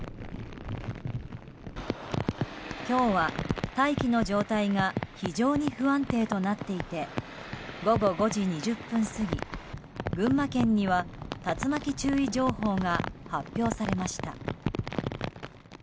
今日は大気の状態が非常に不安定となっていて午後５時２０分過ぎ群馬県には竜巻注意情報が発表されました。